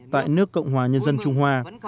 tại nước cộng hòa nhân dân trung hoa